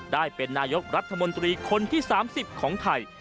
ได้เป็นนายกรัฐมนตรีคนที่๓๐ของไทย